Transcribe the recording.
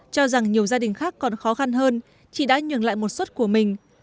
cho rằng nhiều gia đình khác còn khó khăn hơn chị đã nhường lại một suất của mình